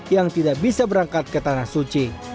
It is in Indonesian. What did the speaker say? yang tidak bisa berangkat ke tanah suci